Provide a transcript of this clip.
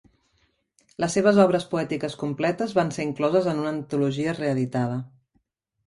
Les seves obres poètiques completes van ser incloses en una antologia re-editada.